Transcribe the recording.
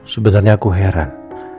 sebenernya aku heran